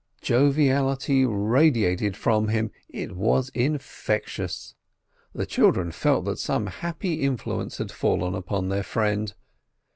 Joviality radiated from him: it was infectious. The children felt that some happy influence had fallen upon their friend.